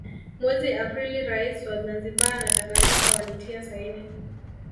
Mwezi Aprili rais wa Zanzibar na Tanganyika walitia saini